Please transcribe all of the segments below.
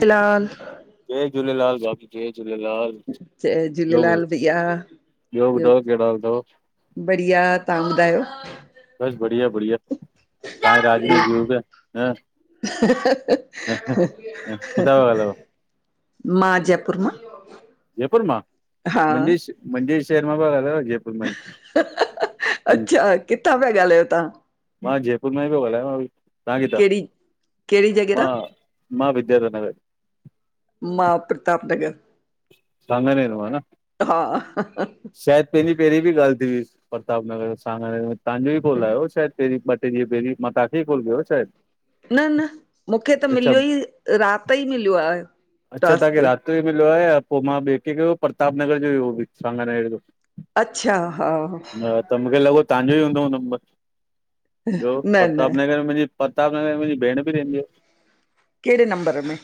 दिलाल जय झूलेलाल बाक़ी जय झूलेलाल। जय झूलेलाल भईया ॿयो ॿियो ॿुधायो केंड़ा हाल तव? बढ़िया! तां ॿुधायो? बस बढ़िया-बढिया ताए राज में जीयु पता ह किथा पता ॻालायो? मां जयपुर मां। जयपुर मां हा मुझे मुंझे शहर मां पया ॻालायो जयपुर। मां ई हं, अच्छा किथां पया ॻालायो तां? मां जयपुर मां ई पयो ॻालायांव तां कितां कहिड़ी कहिड़ी जॻह तां मां। मां विद्याधर नगर। मां प्रताप नगर। सांगानेर मां न? हा शायद पैंरीं-पैंरीं ॿि ॻाल थी हुई प्रताप नगर सांगानेर में तांॼो ई कॉला आयो शायद पैंरीं। ट ॾीअ पैरी मां ताखेे ई कॉल कयो शायद। न-न मूंखे त मिलयो ई रात ई मिलयो आ टास्क। ते मिलयो आया पो मां ॿि कैंखे प्रताप नगर ॼो हु सांगानेर ॼो। अच्छा हा त मूंखे लॻो तांजो ई हूंदो उ नम्बर ॿयो न न प्रताप नगर में मुंजी पताप नगर मुंजी भेण ॿि रहंदी आ। कहिड़े नंबर में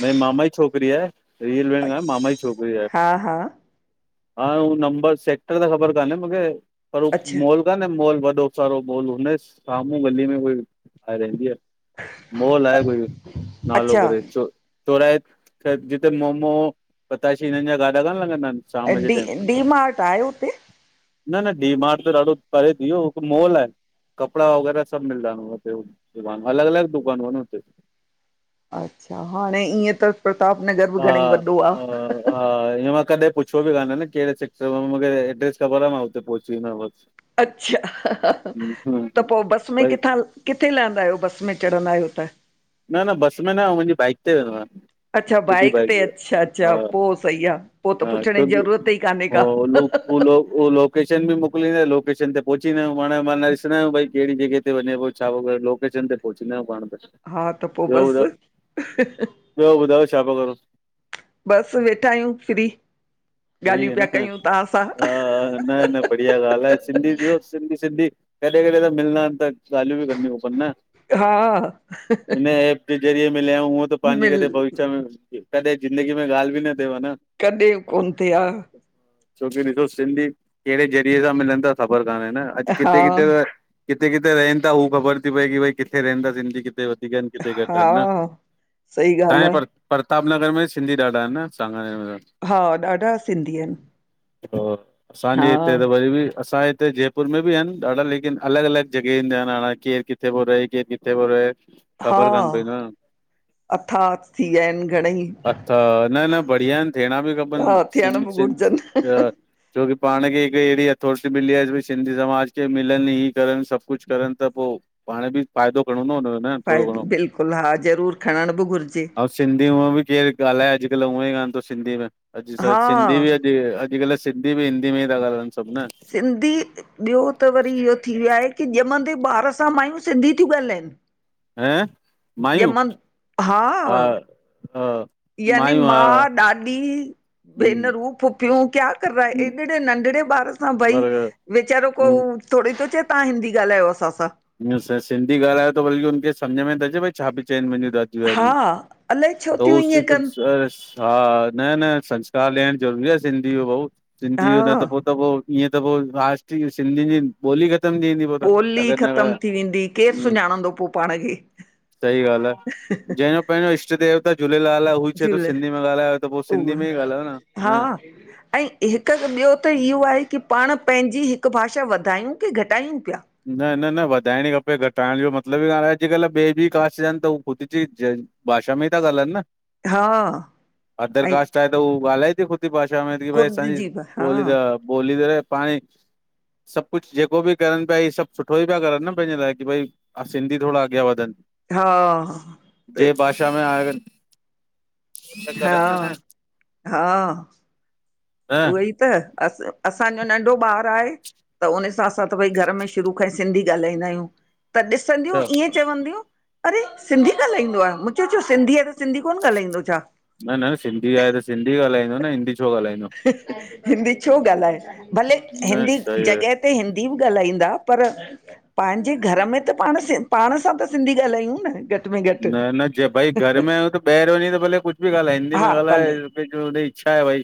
मुझे मामा ई छोकरी आ रीयल बेण कान। मामा ॼी छोकरी आ हा हा हाण हू नंबर सेक्टर त ख़बर काने मूंखे। पर ओ अच्छा मॉल काने मॉल वॾो सारो मॉल हुनजे सामू गली में उई ठाहे रहंदी आये। मॉल आये कोई नालो अच्छा करे छ थोरा जिते मोमो, पताशी हिनन ॼा गाडा कान लॻंदा आयन। डी-डी मार्ट आये हुते। न-न डी मार्ट त ॾाढो परे ती इहो हिक मोल आये। कपड़ा वगैरह सॿ मिलंदा नते दुकान अलॻ-अलॻ दुकान हु न हुते। अच्छा हाणे ईअं त प्रताप नगर ॿि हा घणेई वॾो आ। हा हा इअं मां कॾे पुछयो ॿि काने न केड़े सेक्टर में मूंखे एड्रेस ख़बर आ मां हुते पहुची वेंदों मां ॿस। अच्छा त पो बस में भई किथां? किथे लहंदा आयो बस में चढ़ंदा आयो त? न-न बस में न हो मुंॼी बाइक ते वेंदो आया‌। अच्छा बाइक ते अच्छा-अच्छा पोइ सई आ पो त पुछण ॼी ज़रूरत ई काने का। उलो उहलो। लोकेशन ॿि मोकलींदा लोेशन ते पहुचीदां आयूं पाण मान ॾिसंदायूं भ केड़ी जॻह ते वञे पो छा लोकेशन ते। पोचईंदा आयु पाण त। हा त पो ॿियो बस। ॿुधायो ॿियो ॿुधायो छा पिया करो बस वेठा आयूं फ्री ॻालियूं पया कयूं तांसां। न-न बढिया ॻाल आ सिंधी-सिंधी-सिंधी। कॾे-कॾे त मिलंदा आयन त ॻालियूं ॿि करणी खपन न। हा हिन एप ॼे ज़रिए मिलियाऊ हूअं त पांजी मिल क भविष्य में कॾे ज़िंदगी में ॻाल ॿि न थेव आ न। कॾे कोन थे आ। छोकी ॾिसो सिंधी कहड़े ज़रिये सां मिलन था ख़बर कानहे न अॼु हा किथे किथे त किथे किथे रहन ता हू खबर ती पए कि भई किथे रहनदांसी जी कि किथे वधीक आहिंन किथे घटि हा आहिन न सही तहांए ॻाल्हि आ पर प्रताप नगर में सिन्धी ॾाढ़ा आहिंन न हा ॾाढ़ा सिन्धी आहिंन हा असांजे इते त वरी बी असांजे इते जे पुर में बि आहिन ॾाढ़ा लेकिन अलग अलग जॻहयंन जा नाला आहिंन केरु किथे थो रहे केरु किथे थो रहे ख़बर कान पई तव हा न अथाह थी विया आहिनि घणेई अच्छा न न बढ़िया आहिंन थेयणा बि खपन हा थियण सिन्ध बि सिंधु घुरिजनि जा छोकी पाण खे हिक एहड़ी अथोरिटी मिली आ भई सिंधी समाज खे मिलन ई करन सभ कुछ करन त पो पाण बि फ़ायदो करड़ो हुंदो भाई बिल्कुल हा ज़रूरु खड़़ड़ बि घुरजे ऐं सिंधी उअं बि केर ॻाल्हाएअॼकल उवई वांगुर सिंधी में अॼ कल हा अॼुकल सिन्धी बी हिंदी में ई ता ॻाल्हएंन सभ न सिंधी ॿयो त वरी इयो थी व्यो आहे कि ॼमंदे ॿारु सां मायूं सिंधी थियूं ॻाल्हाएन हें मायूं हा व ह यानी मां ॾाॾी हम्म भेनरूं फुफयूं क्या कर रा हम्म हेॾड़े नंढड़े ॿारु हा भई बराबरि वीचारो को हम्म थोड़ी तो चए तहां हिंदी ॻाल्हायो असां सां न सिर्फ सिंधी ॻाल्हायो त वरी उनन खे समझ में त अचे भई छा पी चयन मुंजे हा लाए अलाए छो तौ थियूं ईअं सिर्फ कनि चेंयस हा न न संस्कार ॾयण जरूरी आ सिन्धी भाऊ सिंधी न त हा पो त पो इयं त पो राष्ट्रीय सिंधियुन जी ॿोली ख़तम थी वेंदी पो त ॿोली अगरि न ख़तम थी वेंदी केर हम्म सुञाणंदो पो पाण खे पेंहजो इष्ट देवता झूलेलाल आ उवई चए तो झूल सिन्धी में ॻाल्हायो त पो सिन्धी में ई ॻाल्हायो न इ [inaudible] ऐं हिक ॿयो त इयो आहे कि पाण पेंहजी हिक भाषा वधायुं कि घटायुं प्या न न न वधाएणी ख़पे घटाएण जो मतलब ई कान अॼुकल ॿिए बि कास्ट जा त उ ख़ुद जी भाषा में ई ता ॻाल्हाएन हा अदर ऐं कास्ट आहे त उहो ॻाल्हाए थी ख़ुद सिंधी भाषा में भई ख़ुद असाँजी जी हा बोली त बोली त पाणई सभु कुछ जेको बी करन भई सभ सुठो ई पया करन न पंहिंजे लाए कि भई सिंधी थोड़ा अॻे वधन हां ॿेए चवन्दा आहिन अठ हा ॾह महीना उवोई त अस असांजो नन्ढो ॿारु आहे त उन सां असां त भई घर में शुरू खां ई सिंधी ॻाल्हाईंदा आह्युं त ॾिसंदयूं अच्छा त इंय चवंदयूं अरे सिंधी ॻाल्हाईंदो आ मूं चयो त सिंधी आ त सिंधी कोन ॻाल्हाईंदो छा न न सिंधी आहे त सिन्धी ॻाल्हाईंदो न हिंदी छो ॻाल्हाईंदो हिंदी छो ॻाल्हाए भले न हिंदी सही आहे जॻह हिते हिंदी बि ॻाल्हाईंदा पर पांजे घर में त पाण सां पाण सां त सिंधी ॻाल्हायुं न घट न न जे भई घर में आ आह्युं त ॿाहिर वञी त भले कुछ बि ॻाल्हाए हिंदी में हा ॻाल्हाए भले हुन जी इच्छा आहे भई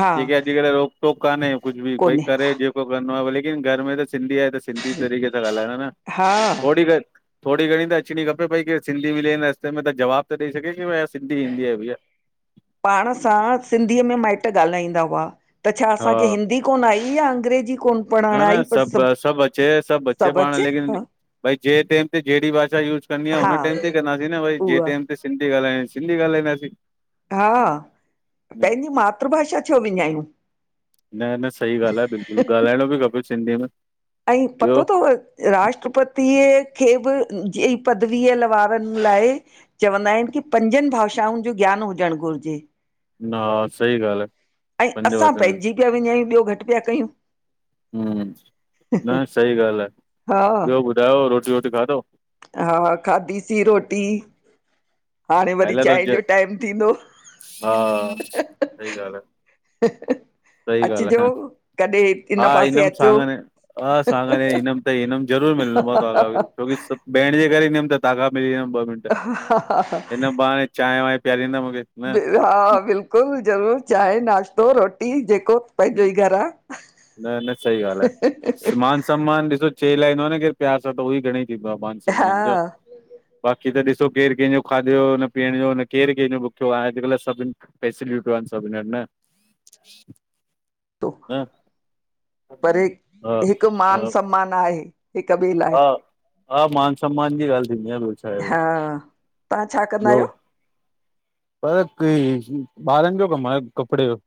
हा जेके अॼुकल रोक टोक कान्हे कुछ बि कोन्हे करे भई करणो आहे लेकिन घर में त सिंधी आहे त सिंधी तरीक़े सां ॻाल्हाइंयो न हा थोडी गणीं थोरी घणीं त अचणी खपे पई की सिंधी मिले हिन रस्ते में त जवाब त ॾेई सघे क भई सिंधी ईंदी आहे भैया। पाण सां सिंधीअ में माइट ॻाल्हाईंदा हुआ त छा हा असांखे हिंदी कोन आईया अंग्रेजीी कोन पढ़ण न न आई पर सब सभु सब अचे सब अचे सभु पाण लेकिन हा भई जें टेम ते जहिड़ी भाषा यूज कदंहि हा हुन टेम ते कंदासीं न भई टम ते उहा जिते सिधी ॻाल्हाण सिंध ॻाल्हाईंदासीं। हा पंहिंजी मातृभाषा छो विञायूं। न न सही ॻाल्ह आ बिल्कुल ॻाल्हाइणो बि खपे सिंधीअ में। अई ॿियो पतो थव राष्ट्रपतिअ खे बि जी पदवीअ ल वारनि लाइ चवंदा आहिन की पंजनि भाषाउनि जो ज्ञान हुजणु घुरिजे न हा सही ॻाल्हि आहे ऐं पंज असां वचन पंहिंजी पिया विञायूं ॿियो घटि पिया कयूं न सही ॻाल्ह हा आहे ॿियो ॿुधायो रोटी वोटी खाधव हा खाधीसी रोटी हाणे खाई वरी लाथो चांहिं जो ज टाइम थींदो हा सही ॻाल्हि आहे सही ॻाल्हि अचिजो आहे कॾहिं हिन पासे अचो आ सागानेर इनम त इनम ज़रूर मिलन्दो आ छोकी सब भेण जे करे ईंदमि ताखां मिली वमि ॿ मिंट हा हा हा हिन बहाने चां वांहिं पीआरींदा मूंखे न हा बिल्कुल ज़रूर चांहि नाश्तो रोटी जेको पंहिंजो ई घर आ न न सही ॻाल्हि आहे। मान सम्मान ॾिसो लाइदो आ न केरु प्यार सां त उह ई घणेई थींदो आ मान सम्मान जा हा बाक़ी त ॾिसो केरु कंहिंजो खाधो न पीअण जो न केरु कंहिंजो भुखियो आहे अॼुल्ह सभिन फेसिलिटी व स न न पर हा हिक्क मान हा सम्मान आहे हिकु ॿिए लाइ हा हा मान सम्मान जी ॻाल्ह थींदी आहे ॿियो छा आहे हा तव्हां छा कंदा ॿियो आहियो पर कि ॿारनि जो कम आहे कपिड़े जो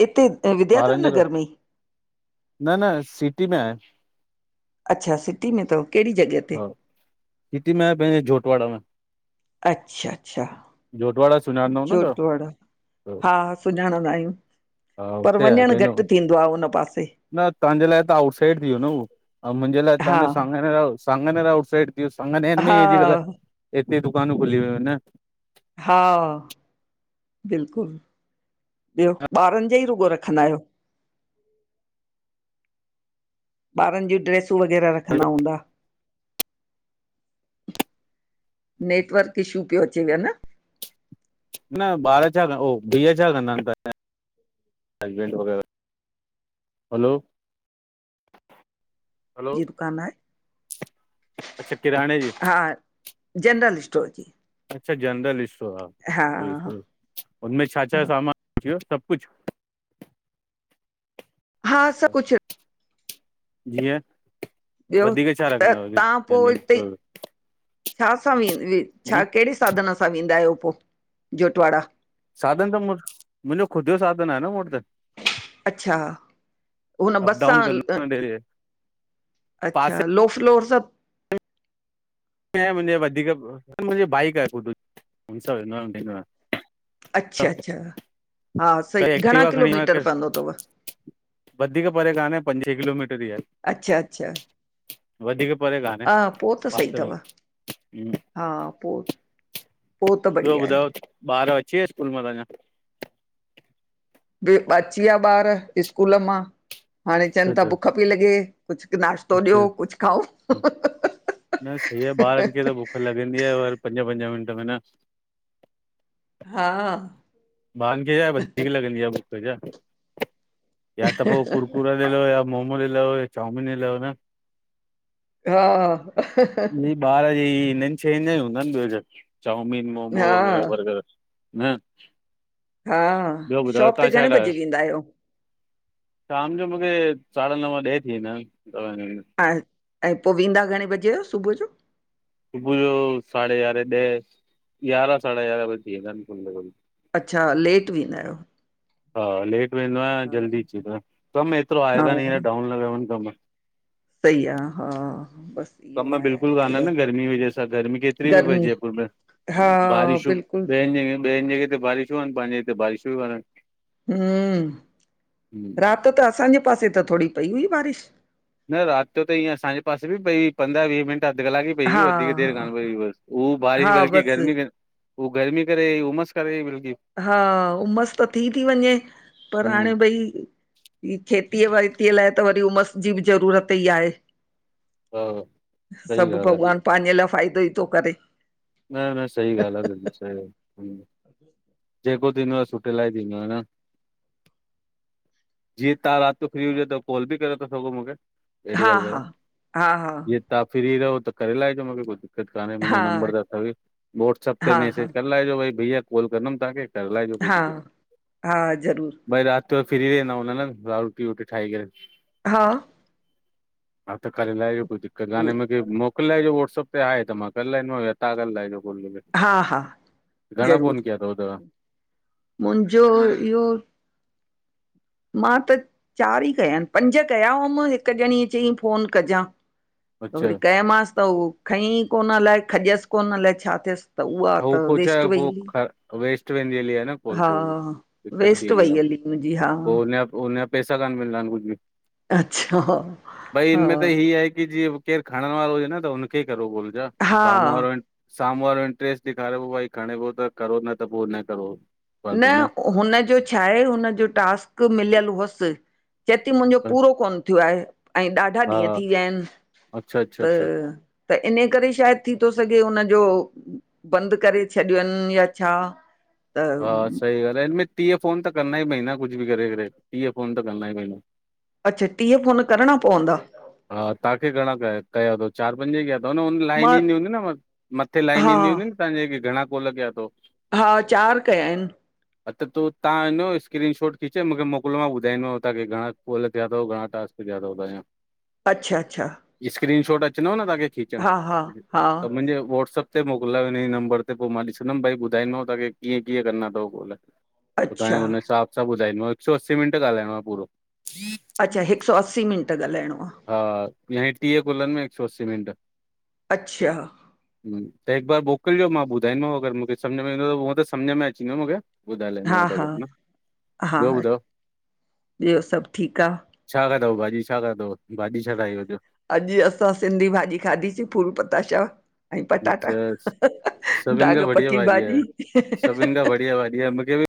हिते विद्याधर ॿारनि जा नगर में न न सिटी में आहे। अच्छा सिटी में थव कहिड़ी जॻह ते हा सिटी में पंहिंजे। जोटवाड़ा में अच्छा जोटवाड़ा सुञाणंदव न अच्छाता तव्हां? हा सुञाणंदा आहियूं हा उते आहे पंहिंजो तपासे न तव्हांजे लाइ त आउटसाइड थी वियो न उहो मुंहिंजे लाइ हा तव्हांजो सामान सांगनेर आउट साइड थियो सागानेर में हा अञकल्ह हितै दुकानु खुली वयूं आ न हा बिल्कुल ॿियो ॿारनि जोा ई रुॻो रखंदा आहियो? ॿारनि जूं ड्रेसूं वग़ैरह रखंदा हूंदा नेटवर्क ईशू पियो अचे वियो न न ॿार छा उह ीीअ छा कंदा आहिनि त हसबैंड वग़ैरह [unintelligible] हलो हलो जी दुकानु आहे अच्छा किराणे जी हा जनरल स्टोर जी अच्छा जनरल इश्टो हा उहोई त हुनमें छा छा हा सामान अची वियो सॿ कुझु? हा स कुझु जीअं ॿियो वधीक छा त रखंदा हुजे तव्हां पो जनरल हिते स्टोर छा सां विं वि छा में कहिड़े साधन सां वेंदा आहियो पोइ जोटवाड़ा? साधन त मुवट मुंहिंजो ख़ुदि जो साधन आहे न मूअट त अच्छा हुन अप बसां डाउन ल कंदो आहियां डेली अच्छा पासे लो फ्लोर सभ क मुंहिंजे वदिक मुंहिंजे भाइक आ खुदट हुनसा विनो अयां अच्छा अच्छा हा सही करे घणा एक्टिवा खणी किलोमीटर करे पवंदो तव? वधीक परे काने पंज ही किलोमीटर ई अच्छा अच्छा आहे वधीक परे काने हा पो त सही पासे में तव हा पोइ ॿियो ॿुधयो ॿार अची वया स्कूल मां तव्हांञा? बि अची विया ॿार स्कूल मां हाणे अच्छा चवनि था अच्छा बुख पई लॻे कुझु क नाश्तो ॾियो अच्छा कुझु खाओ वेंदी आहे वर पंजा पंज मिंट में न वे हा ॿार खे छा वधीक लॻंदी आहे बुक जा या त पोइ कुरकुरा ॾिलाओ या मोमो ॾिलाओ या चौमिन ॾईलायो न हा हा इहे ॿार जे ई हिननि शयुनि जा ई हूंदा अन ॿियो छा चौमिन मोमो हा वग़ैरह बर्गर न हा ॿियो ॿुधायो शॉप ते तव्हां छा घणे बजे ठाहियो वेंदा आहियो? शाम जो मूंखे साढा नव ॾह थी वेंदा आहिनि सवा नवे अच्छ् ऐं पोइ वेंदा घणे बजे जो सुबुह जो? सुबुह जो साढे यारहे ॾह यारहा साढा यारहा त थींदा आहिनि खुलंदे खुल अच्छा लेट विंदा आहियो? हा लेट वेंदो आहियां जल्दी अची वेंनो आहिया कमु एतिरो आहे हा कान हींअर डाउन लॻा पया अन कम् सही आ हा बसि कम बिल्कुलु कान्हन गर्मी जी वजह सां गर्मी केतिरी बि पए गर्मी जयपुर में हा बारिशूं बिल्कुल ॿियनि जॻह ॿियनि जॻह ते बारिशूं आहिनि पंहिंजे हिते बारिशूं ही कान अन हम्म राति त असांजे पासे त थोरी पई हुई बारिश न राति जो त ईअं असांजे पासे बि पई पंद्रहं वीह मिंट अधु कलाक ई पई हुई हा वधीक देरि हा कान पई हुई बस उह बारिश हा बल्कि बसि गर्मी कं हू गर्मी करे अई उमसि वई बल्कि हा उमसि त थी थी वञे पर हम्म हाणे भई ही खेतीअ वयतीअ लाइ त वरी उमस जी बि ज़रूरत ई आहे हा सही सभु ॻाल्हि भॻवान पाहेंजा लाइ फ़ाइदो ई थो करे न न सही ॻाल्हि आहे बिल्कुल सई जेको थींदो आहे सुठे लाइ ई थींदो आहे न जीअं तव्हां राति जो फ्री हुजे त कॉल बि करे था सघो मूंखे अहिड़ी हा ॻाल्हि काने हा हा जीअम हा तव्हां फिरी रहो त करे लाहेजो मूंखे कुझु दिक़त कान्हे मुंहिंजो नंबर हा त अथव ई व्हाट्सअप ते हा हा मैसेज करे लहिजो भई भईया कॉल कंदमि तव्हांखे कर लाएज कोई हा दिक़ हा ज़रूर भई रात त फिरी रहीना हुना न रा रोटी वोटी ठााई करे हा [unintelligible] उ की मोकिलाइजो व्हाट्सप ते आहे त मां करे लांदमावता करे लहिजोल हा हा घणा ज़रूर फोन कया अथव तव्हां? मुंहिंजो इहो मां त चार ई कया आहिन पंज कया हुअमि हिकु ॼणी चयई फोन कजां। त वरी अच्छा कमांसि त उहो खईं कोन अलाए खजयसि कोन अलाए छा थियस। ह पछा पोइ वेस्ट वेनली आहे न कोल हा पोइ दिकत्त थी वेस्ट वेंदी वई आहे हली मुंहिंजी हा पोइ हुनजा हुनजा पैसा कान मिलंदा आहिन कुझु बि। अच्छा भई हा इमें त इ आहे की जी के खणण वारो हुजे न त हुनखेलज हा साम्हूं वाराम्ह वारो इट्रेस ॾेखारियो पियो भाई खणे पोइ त करो न त पोइ न करो। न हुनजो छा आहे हुनजो टास्क मिलियलु हुअस। चयेती मुंहिंजो पूरो कोन थियो आहे। ऐं ॾाढा ॾींहं हा थी विया आहिन अच्छा अच्छा त अच्छा त इन करे शायद थी थो सघे हुननजो बंदि करे छॾियनि या छा? हा त सही ॻाल्हि आहे हिन में टीह फोन त करणा ई पवंदा कुझु बि करे करे टीह फोन त करंदा ई पवंदा। अच्छा टीह फोन करणा पवंदा? हा तव्हांखे घणा कया कयाथव चार पंज कया अथव न हुन लाइन मां ईंदी हुंदी न मथे लाइन हा ईंदीूं हुंदी न तव्हांजेे घणा कोल कया अथव? हा चार कया आहिन। अ त ताहां इञो स्क्रीनशॉट खीच मूंखे मोकिलियो मां ॿधाईंदोांव्हांखे घणा कोल कया थियाथ घा टासक किया। अच्छा अच्छा स्क्रीन शॉट अचंदव न तव्हांखे खीचण हा हा हा त मुंहिंजे वाट्सअप हुते मोकिलायो हिन नंबर ते पोइ मां ॾिसंदमि भाईॿधाईंदोव तवांखे कीअं कीअंं करणा अथव कोल? पोइ तव्हांखे अच्छा हुन हिसाब सां ॿुधाईंदोमांव हिकु सौ असी मिनट ॻाल्हाइणो आहे पूरो अच्छा हिकु सौ असी मिंट ॻाल्हाइणो आहे। हा या टीह कुलनि में हिकु सौ असी मिंट। अच्छा त हिकु बार मोकिलिजो मां ॿुधाईंदोमव अगरि मूंखे सम्झ में ईंदो त हूअं त सम्झि में अचें मूंखे ॿुधाए ल हा वट हा ह हा ॿियो ॿुधायो? ॿियो सभु ठीकु आहे छा कंदथव भाॼी छा काथव भाॼी छा ठही वो? अॼु असां सिंधी भाॼी खाधीसीं पूल पताशा ऐं पटाटा। अच्छा सभिनि दाघ खां बढ़िया पकी आहे भाॼी। सभिनि खां बढ़िया भाॼी आहे मूंखे बि